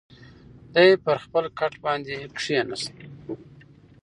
دی پر خپل کټ باندې کښېناست.